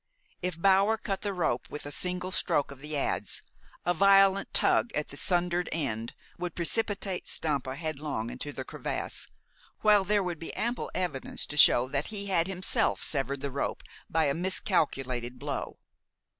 If Bower cut the rope with a single stroke of the adz, a violent tug at the sundered end would precipitate Stampa headlong into the crevasse, while there would be ample evidence to show that he had himself severed the rope by a miscalculated blow.